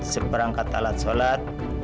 seperangkat alat sholat